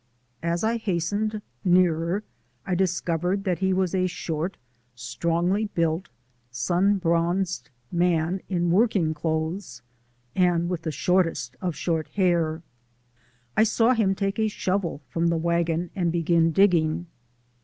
As I hastened nearer I discovered that he was a short, strongly built, sun bronzed man in working clothes and with the shortest of short hair. I saw him take a shovel from the wagon and begin digging.